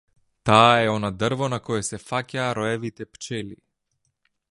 Таа е она дрво на кое се фаќаа роевите пчели.